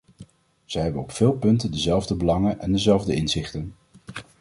Zij hebben op veel punten dezelfde belangen en dezelfde inzichten.